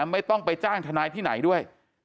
ไม่ต้องไปจ้างทนายที่ไหนด้วย